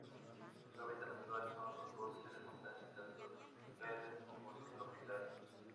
Su hábitat natural son los bosques de montaña tanto tropicales como subtropicales.